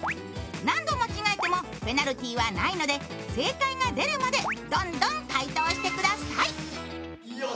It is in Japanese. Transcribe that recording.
何度間違えてもペナルティーはないので、正解が出るまでどんどん回答してください。